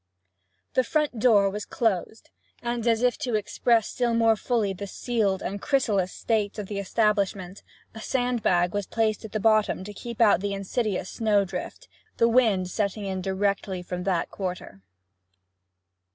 The front door was closed, and, as if to express still more fully the sealed and chrysalis state of the establishment, a sand bag was placed at the bottom to keep out the insidious snowdrift, the wind setting in directly from that quarter.